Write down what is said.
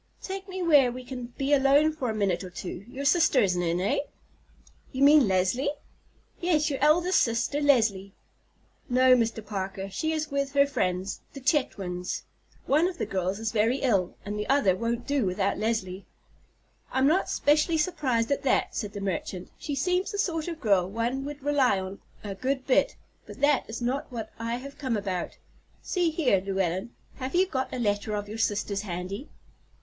"Take me where we can be alone for a minute or two. Your sister isn't in—eh?" "Do you mean Leslie?" "Yes, your eldest sister, Leslie." "No, Mr. Parker; she is with her friends, the Chetwynds. One of the girls is very ill, and the other won't do without Leslie." "I'm not specially surprised at that," said the merchant. "She seems the sort of girl one would rely on a good bit; but that is not what I have come about. See here, Llewellyn, have you got a letter of your sister's handy?"